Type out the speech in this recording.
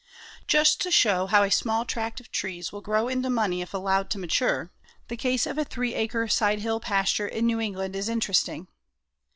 Just to show how a small tract of trees will grow into money if allowed to mature, the case of a three acre side hill pasture in New England is interesting.